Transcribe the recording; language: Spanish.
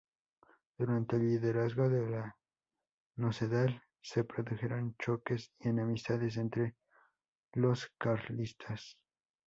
Durante el liderazgo de Nocedal se produjeron choques y enemistades entre los carlistas.